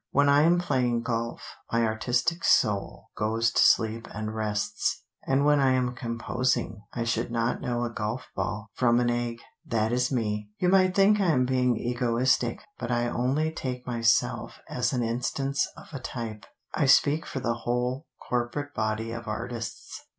When I am playing golf, my artistic soul goes to sleep and rests. And when I am composing, I should not know a golf ball from an egg. That is me. You might think I am being egoistic, but I only take myself as an instance of a type. I speak for the whole corporate body of artists."